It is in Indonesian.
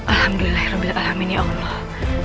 alhamdulillahirrahmanirrahim ya allah